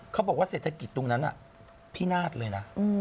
เขาบอกว่าเศรษฐกิจตรงนั้นพินาศเลยนะ